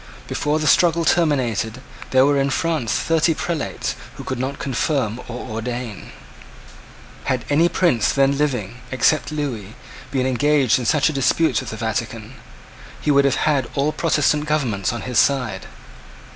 Before the struggle terminated, there were in France thirty prelates who could not confirm or ordain. Had any prince then living, except Lewis, been engaged in such a dispute with the Vatican, he would have had all Protestant governments on his side.